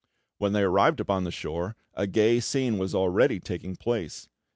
When they arrived upon the shore, a gay scene was already taking place.